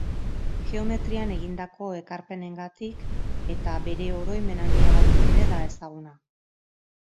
Geometrian egindako ekarpenengatik eta bere oroimen handiagatik ere da ezaguna.